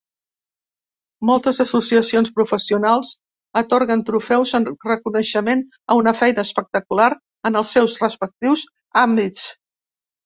Moltes associacions professionals atorguen trofeus en reconeixement a una feina espectacular en el seus respectius àmbits.